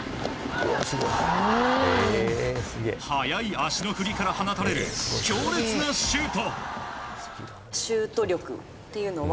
速い足の振りから放たれる強烈なシュート！